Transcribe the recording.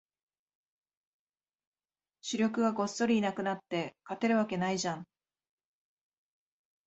主力がごっそりいなくなって、勝てるわけないじゃん